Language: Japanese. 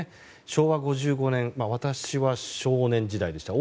昭和５５年私は少年時代でした。